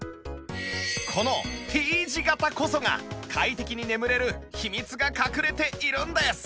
この Ｔ 字型こそが快適に眠れる秘密が隠れているんです